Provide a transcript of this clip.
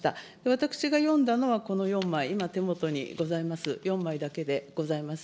私が読んだのはこの４枚、今手元にございます４枚だけでございます。